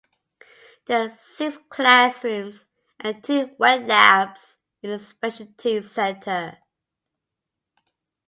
There are six classrooms and two wet labs in the specialty center.